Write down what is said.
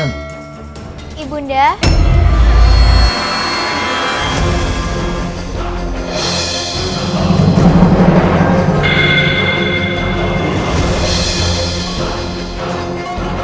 ini dia yang kucari